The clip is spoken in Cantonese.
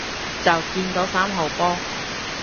就見到三號波